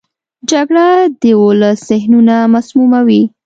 جګړه د ولس ذهنونه مسموموي